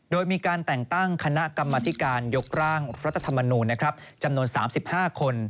โดยมีการแต่งตั้งคณะกรรมธิการยกร่างรัฐธรรมนูญจำนวน๓๕คน